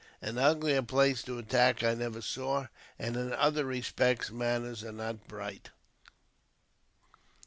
An uglier place to attack I never saw; and in other respects, matters are not bright.